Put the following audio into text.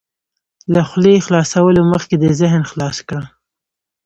له خولې خلاصولو مخکې دې ذهن خلاص کړه.